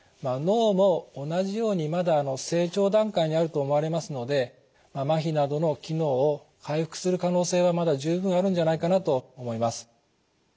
脳も同じようにまだ成長段階にあると思われますので麻痺などの機能を回復する可能性はまだ十分あるんじゃないかなと思います。